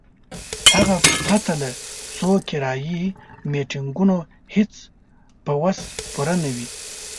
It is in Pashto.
هغه پرته له څو کرایي میټینګونو هیڅ په وس پوره نه وي.